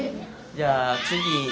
じゃあ次。